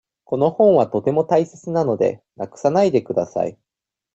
この本はとても大切なので、なくさないでください。